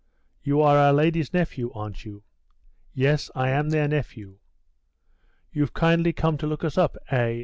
"You are our ladies' nephew, aren't you?" "Yes, I am their nephew." "You've kindly come to look us up, eh?"